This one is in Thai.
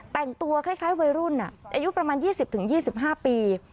แต่งตัวคล้ายวัยรุ่นอายุประมาณ๒๐๒๕ปี